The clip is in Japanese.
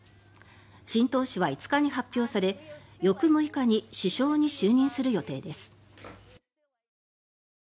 新党首は５日に発表され翌６日に首相に就任する予定です。